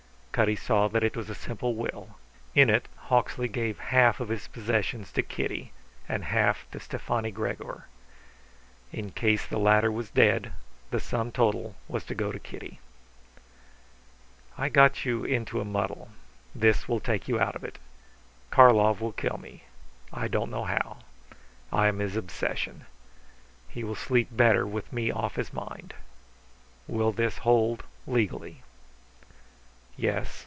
Cutty saw that it was a simple will. In it Hawksley gave half of his possessions to Kitty and half to Stefani Gregor. In case the latter was dead the sum total was to go to Kitty. "I got you into a muddle; this will take you out of it. Karlov will kill me. I don't know how. I am his obsession. He will sleep better with me off his mind. Will this hold legally?" "Yes.